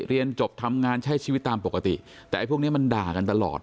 เรียนจบทำงานใช้ชีวิตตามปกติแต่ไอ้พวกเนี้ยมันด่ากันตลอด